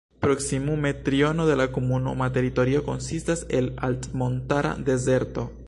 Proksimume triono de la komunuma teritorio konsistas el altmontara dezerto.